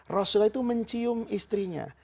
rasulullah itu mencium istrinya